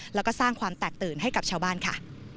แล้วก็สร้างความแตกตื่นให้กับชาวบ้านค่ะ